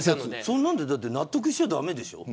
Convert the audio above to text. そんなんで納得しちゃ駄目でしょ。